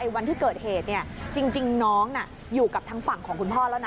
วันที่เกิดเหตุจริงน้องอยู่กับทางฝั่งของคุณพ่อแล้วนะ